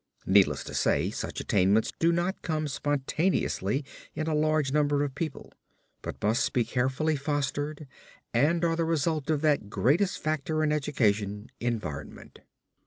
Needless to say such attainments do not come spontaneously in a large number of people, but must be carefully fostered and are the result of that greatest factor in education, environment.